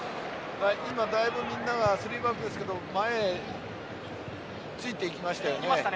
今、だいぶみんなが３バックですけど前についていきましたよね。